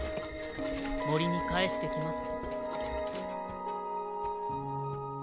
森に還してきます。